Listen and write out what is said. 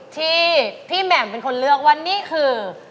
ที่พี่แหม่มเป็นคนเลือกว่านี่คือ